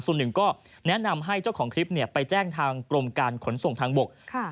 ส่วนหนึ่งก็แนะนำให้เจ้าของคลิปไปแจ้งทางกรมการขนส่งทางบก